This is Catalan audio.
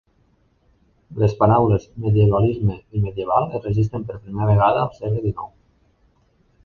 Les paraules "medievalisme" i "medieval" es registren per primera vegada al segle XIX.